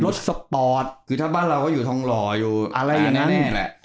สปอร์ตคือถ้าบ้านเราก็อยู่ทองหล่ออยู่อะไรอย่างนั้นนี่แหละ